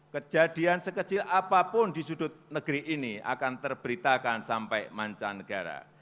kejadian sekecil apapun di sudut negeri ini akan terberitakan sampai mancanegara